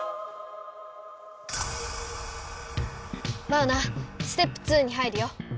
マウナステップ２に入るよ。